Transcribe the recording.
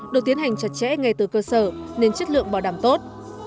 được tiến hành chặt chẽ ngay từ cơ sở nên chất lượng bảo đảm tốt